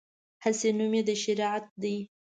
هسې نوم یې د شریعت دی.